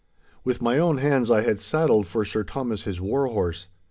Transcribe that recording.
With my own hands I had saddled for Sir Thomas his warhorse.